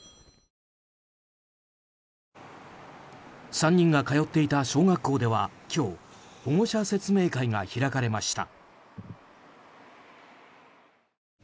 ３人が通っていた小学校では今日、保護者説明会が開かれました。